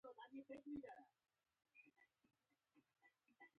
بریدمنه، ستاسې له نظر سره موافق یم.